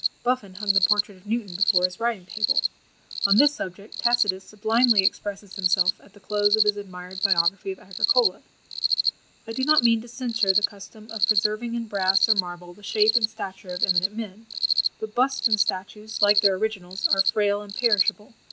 Buffon hung the portrait of Newton before his writing table. On this subject, Tacitus sublimely expresses himself at the close of his admired biography of Agricola: "I do not mean to censure the custom of preserving in brass or marble the shape and stature of eminent men; but busts and statues, like their originals, are frail and perishable.